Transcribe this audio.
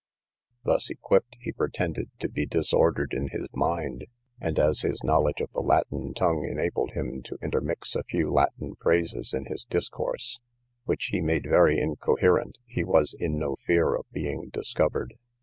Thus equipped, he pretended to be disordered in his mind; and, as his knowledge of the Latin tongue enabled him to intermix a few Latin phrases in his discourse, which he made very incoherent, he was in no fear of being discovered.